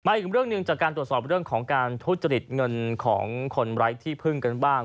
อีกเรื่องหนึ่งจากการตรวจสอบเรื่องของการทุจริตเงินของคนไร้ที่พึ่งกันบ้าง